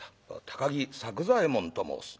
高木作久左右衛門と申す」。